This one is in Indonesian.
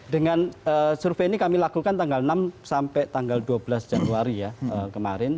dengan survei ini kami lakukan tanggal enam sampai tanggal dua belas januari ya kemarin